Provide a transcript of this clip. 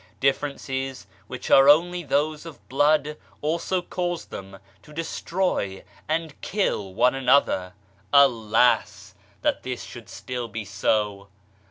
Differences which are only those of blood also cause them to destroy and kill one another. Alas 1 that this should still be so.